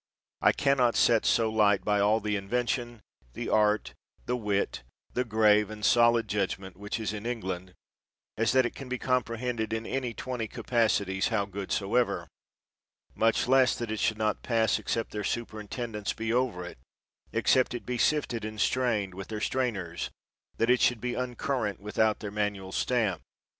I can not set so light by all the invention, the art, the wit, the grave and solid judgment which is in England, as that it can be comprehended in any twenty capacities how good soever, much less that it should not pass except their superintendence be over it, ex cept it be sifted and strained with their strain ers, that it should be uncurrent without their manual stamp.